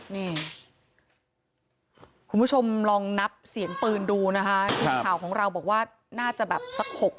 นี่คุณผู้ชมลองนับเสียงปืนดูนะคะทีมข่าวของเราบอกว่าน่าจะแบบสักหก